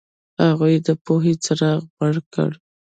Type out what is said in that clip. هغوی د پوهې څراغ مړ کړ.